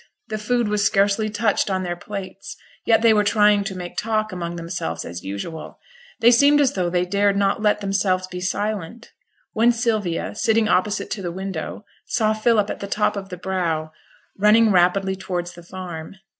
The food was scarcely touched on their plates, yet they were trying to make talk among themselves as usual; they seemed as though they dared not let themselves be silent, when Sylvia, sitting opposite to the window, saw Philip at the top of the brow, running rapidly towards the farm.